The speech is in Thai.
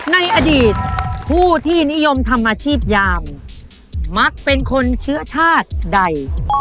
ในอดีตผู้ที่นิยมทำอาชีพยามมักเป็นคนเชื้อชาติใด